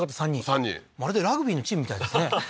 ３人まるでラグビーのチームみたいですねははは